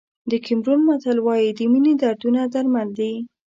د کیمرون متل وایي د مینې دردونه درمل دي.